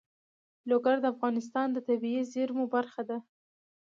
لوگر د افغانستان د طبیعي زیرمو برخه ده.